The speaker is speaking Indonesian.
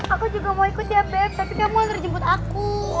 aku juga mau ikut ya beb tapi kamu yang terjemput aku